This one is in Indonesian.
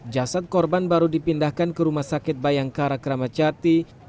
jasad korban baru dipindahkan ke rumah sakit bayangkara keramacati